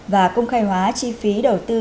và công khai hóa chi phí đầu tư